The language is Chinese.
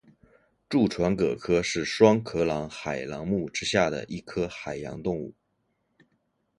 蛀船蛤科是双壳纲海螂目之下的一科海洋动物。